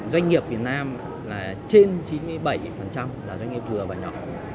doanh nghiệp việt nam là trên chín mươi bảy là doanh nghiệp vừa và nhỏ